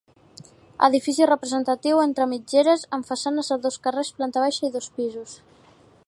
Edifici representatiu entre mitgeres, amb façanes a dos carrers, planta baixa i dos pisos.